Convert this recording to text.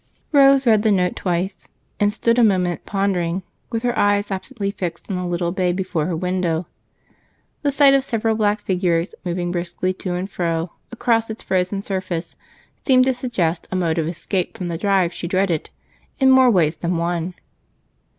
Rose read the note twice and stood a moment pondering, with her eyes absently fixed on the little bay before her window. The sight of several black figures moving briskly to and fro across its frozen surface seemed to suggest a mode of escape from the drive she dreaded in more ways than one.